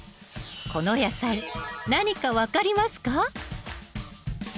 この野菜何か分かりますか？